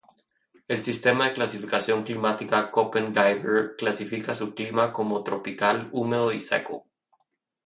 El sistema de clasificación climática Köppen-Geiger clasifica su clima como tropical húmedo y seco.